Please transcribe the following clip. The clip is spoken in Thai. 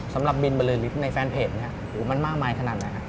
สำหรับบิลเบลอริสในแฟนเพจดูมันมากมายขนาดไหนฮะ